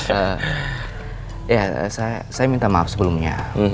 saya minta maaf sebelumnya